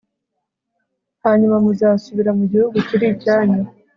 hanyuma muzasubira mu gihugu kiri icyanyu